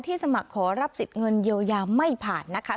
สมัครขอรับสิทธิ์เงินเยียวยาไม่ผ่านนะคะ